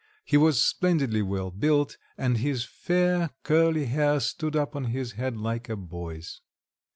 He was splendidly well built, and his fair curly hair stood up on his head like a boy's.